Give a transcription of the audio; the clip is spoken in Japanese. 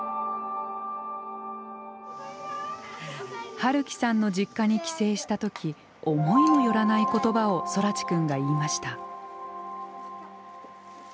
晴樹さんの実家に帰省した時思いも寄らない言葉を空知くんが言いました。